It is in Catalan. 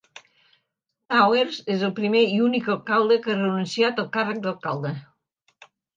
Towers és el primer i únic alcalde que ha renunciat al càrrec d'alcalde.